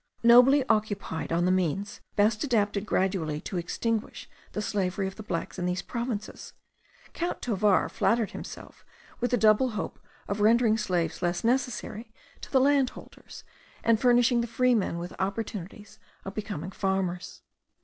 Nobly occupied on the means best adapted gradually to extinguish the slavery of the blacks in these provinces, Count Tovar flattered himself with the double hope of rendering slaves less necessary to the landholders, and furnishing the freedmen with opportunities of becoming farmers.